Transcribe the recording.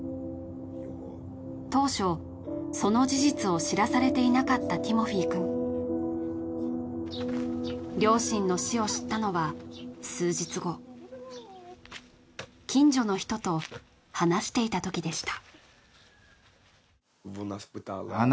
当初その事実を知らされていなかったティモフィーくん両親の死を知ったのは数日後近所の人と話していたときでした